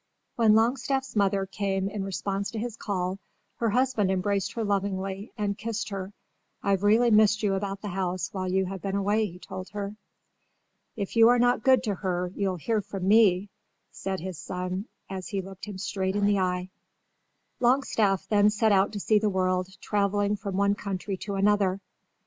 When Longstaff's mother came in response to his call her husband embraced her lovingly and kissed her. "I've really missed you about the house while you have been away," he told her. "If you are not good to her you'll hear from me," said, his son as he looked him straight in the eye. Longstaff then set out to see the world, travelling from one country to another.